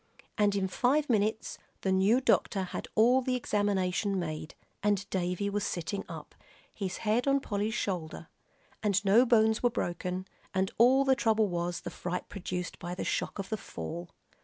And in five minutes the new doctor had all the examination made, and Davie was sitting up, his head on Polly's shoulder; and no bones were broken, and all the trouble was the fright produced by the shock of the fall.